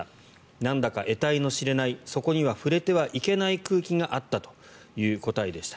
なんだか得体の知れないそこには触れてはいけない空気があったという答えでした。